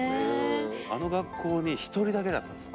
あの学校に一人だけだったんですよ。